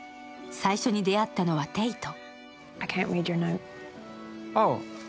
最初に出会ったのはテイト。